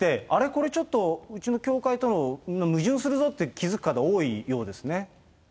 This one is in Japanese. これちょっとうちの教会と矛盾するよって気付く方、そうですね。